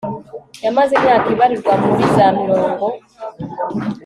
yamaze imyaka ibarirwa muri za mirongo